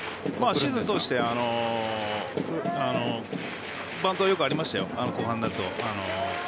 シーズン通してバントはよくありました後半になると。